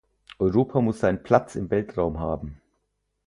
Europa muss seinen Platz im Weltraum haben!